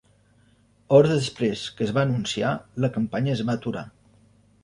Hores després que es va anunciar la campanya es va aturar.